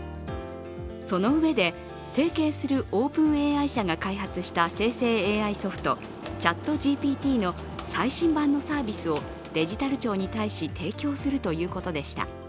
そのうえで、提携するＯｐｅｎＡＩ社が開発した生成ＡＩソフトＣｈａｔＧＰＴの最新版のサービスをデジタル庁に対し提供するということでした。